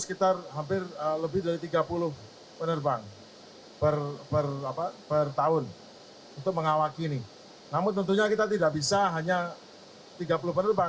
intinya kita butuh sekitar hampir lebih dari tiga puluh penerbang